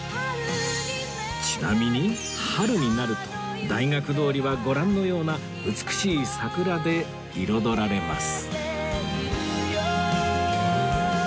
ちなみに春になると大学通りはご覧のような美しい桜で彩られます